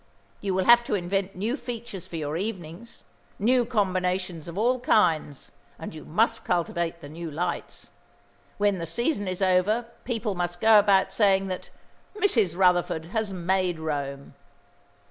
You will have to invent new features for your evenings, new combinations of all kinds, and you must cultivate the new lights. When the season is over people must go about saying that Mrs. Rutherford has made Rome."